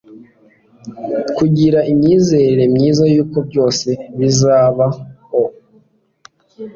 kugira imyizerere myiza yuko byose bizaba o